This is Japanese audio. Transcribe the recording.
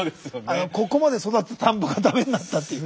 ここまで育てた田んぼが駄目になったっていう。